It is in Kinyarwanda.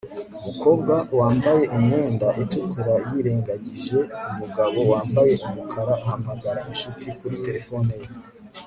Umukobwa wambaye imyenda itukura yirengagije umugabo wambaye umukara ahamagara inshuti kuri terefone ye